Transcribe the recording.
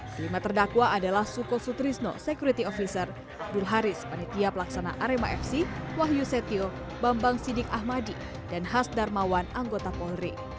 kelima terdakwa adalah suko sutrisno security officer abdul haris panitia pelaksana arema fc wahyu setio bambang sidik ahmadi dan hasdarmawan anggota polri